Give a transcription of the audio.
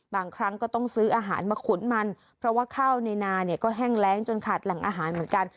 บางครั้งก็ต้องซื้ออาหารมาขุนมันเพราะว่าข้าวในนาเนี่ยก็แห้งแรงจนขาดแหล่งอาหารเหมือนกัน